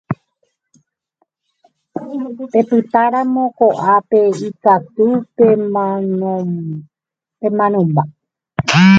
Pepytáramo ko'ápe ikatu pemanomba.